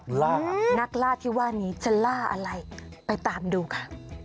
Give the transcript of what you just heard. ล่านักล่าที่ว่านี้จะล่าอะไรไปตามดูค่ะ